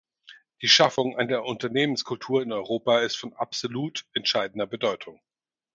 Die Schaffung einer Unternehmenskultur in Europa ist von absolut entscheidender Bedeutung.